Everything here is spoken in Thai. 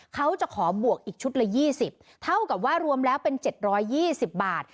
เขาจะขอบวกอีกชุดละยี่สิบเท่ากับว่ารวมแล้วเป็นเจ็ดร้อยยี่สิบบาท